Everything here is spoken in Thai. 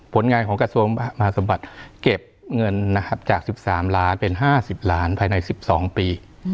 ผลงานของกระทรวงมหาสมบัติเก็บเงินนะครับจาก๑๓ล้านเป็น๕๐ล้านภายใน๑๒ปี